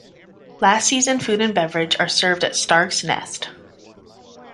Last season food and beverage are served at Stark's Nest.